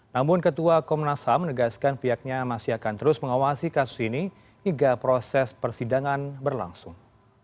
namun ketua komnas ham menegaskan pihaknya masih akan terus mengawasi kasus ini hingga proses persidangan berlangsung